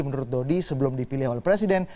menurut dodi sebelum dipilih oleh presiden